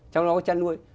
trong đó có chăn nuôi